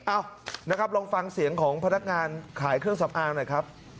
เอ้านะครับลองฟังเสียงของพนักงานขายเครื่องสำอางหน่อยครับ